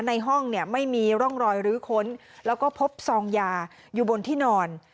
ในห้องเนี่ยไม่มีร่องรอยลื้อค้นแล้วก็พบซองยาอยู่บนที่นอน